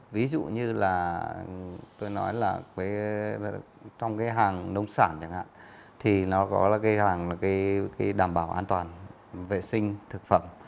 ví dụ như là tôi nói là trong cái hàng nông sản chẳng hạn thì nó có cái hàng đảm bảo an toàn vệ sinh thực phẩm